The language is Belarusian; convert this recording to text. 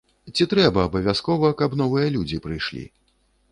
Ці трэба абавязкова, каб новыя людзі прыйшлі?